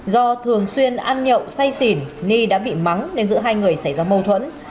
do thường xuyên ăn nhậu say xỉn ni đã bị mắng nên giữa hai người xảy ra mâu thuẫn